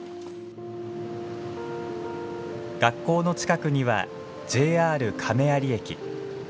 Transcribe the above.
学校の近くには、ＪＲ亀有駅。